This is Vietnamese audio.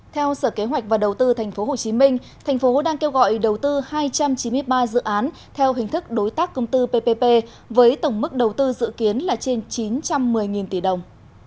theo sở kế hoạch và đầu tư tp hcm thành phố đang kêu gọi đầu tư hai trăm chín mươi ba dự án theo hình thức đối tác công tư ppp với tổng mức đầu tư dự kiến là trên chín trăm một mươi tỷ đồng